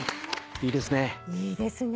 いいですね。